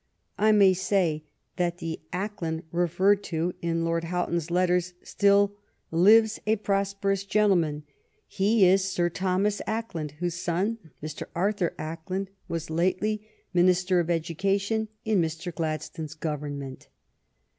I may say that the " Acland " referred to in Lord Houghton's letter still " lives, a pros perous gentleman." He is Sir Thomas Acland, whose son, Mr. Arthur Acland, was lately Min r.LADSTONE IN OFFICE ister of Education in Mr, Gladstone's Government.